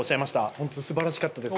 ホントすばらしかったです。